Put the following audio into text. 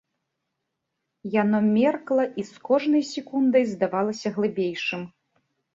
Яно меркла і з кожнай секундай здавалася глыбейшым.